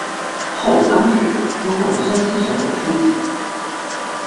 后当选中共山西省纪委书记。